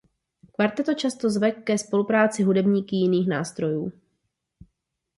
Kvarteto často zve ke spolupráci hudebníky jiných nástrojů.